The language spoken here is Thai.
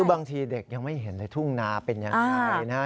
บางทีเด็กยังไม่เห็นเลยทุ่งนาเป็นอย่างไรนะ